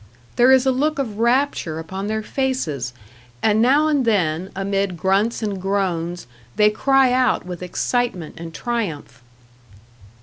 There is a look of rapture upon their faces, and now and then, amid grunts and groans, they cry out with excitement and triumph.